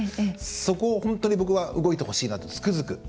そこを本当に僕は動いてほしいなと、つくづく。